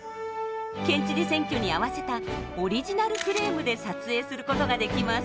県知事選挙に合わせたオリジナルフレームで撮影することができます。